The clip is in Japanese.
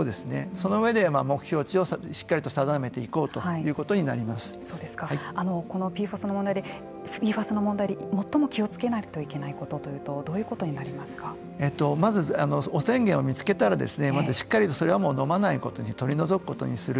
そのうえで目標値をしっかり定めていこうこのＰＦＡＳの問題で最も気をつけないといけないことというとまず汚染源を見つけたらしっかりとそれは飲まないことに取り除くことにする。